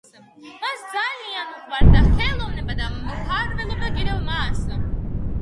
მას ძალიან უყვარდა ხელოვნება და მფარველობდა კიდევაც მას.